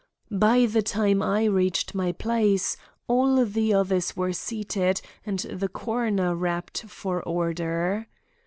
By the time I reached my place all the others were seated and the coroner rapped for order.